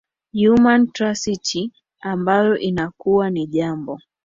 human tracity ambayo inakuwa ni jambo